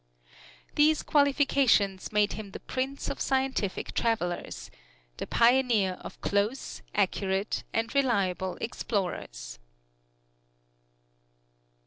These qualifications made him the prince of scientific travelers the pioneer of close, accurate and reliable explorers.